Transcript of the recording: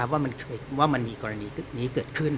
ว่ามันมีกรณีนี้เกิดขึ้น